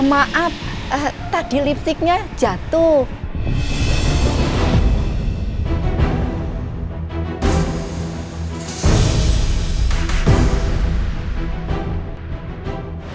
maaf tadi lipsticknya jatuh